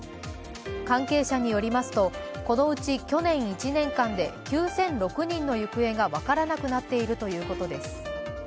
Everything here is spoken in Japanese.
関係者によりますとこのうち去年１年間で９００６人の行方が分からなくなっているということです。